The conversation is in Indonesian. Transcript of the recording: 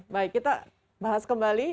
baik kita bahas kembali